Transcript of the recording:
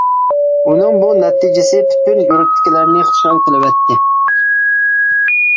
ئۇنىڭ بۇ نەتىجىسى پۈتۈن يۇرتتىكىلەرنى خۇشال قىلىۋەتتى.